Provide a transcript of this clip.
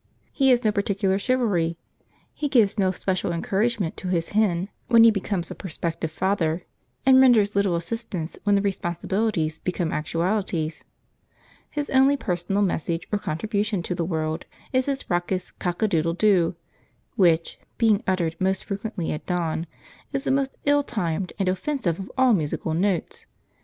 He has no particular chivalry. He gives no special encouragement to his hen when he becomes a prospective father, and renders little assistance when the responsibilities become actualities. His only personal message or contribution to the world is his raucous cock a doodle doo, which, being uttered most frequently at dawn, is the most ill timed and offensive of all musical notes.